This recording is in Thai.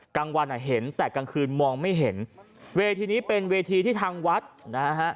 กลางวันอ่ะเห็นแต่กลางคืนมองไม่เห็นเวทีนี้เป็นเวทีที่ทางวัดนะฮะ